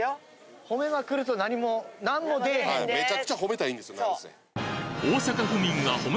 めちゃくちゃ褒めたらいいんですよ何せ。